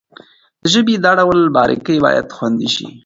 د ژبې دا ډول باريکۍ بايد خوندي شي.